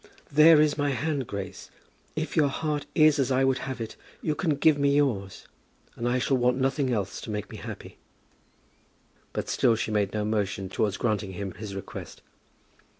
"There is my hand, Grace. If your heart is as I would have it you can give me yours, and I shall want nothing else to make me happy." But still she made no motion towards granting him his request.